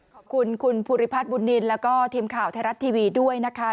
ขอบคุณคุณภูริพัฒน์บุญนินแล้วก็ทีมข่าวไทยรัฐทีวีด้วยนะคะ